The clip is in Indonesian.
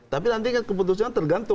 tapi nanti keputusan tergantung